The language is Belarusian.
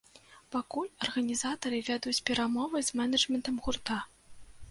Пакуль арганізатары вядуць перамовы з мэнэджмэнтам гурта.